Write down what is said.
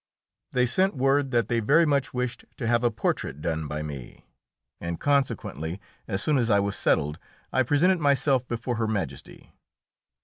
They sent word that they very much wished to have a portrait done by me, and consequently, as soon as I was settled, I presented myself before Her Majesty.